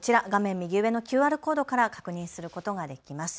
右上のＱＲコードから確認することができます。